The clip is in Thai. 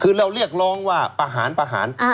คือเราเรียกร้องว่าประหารประหาร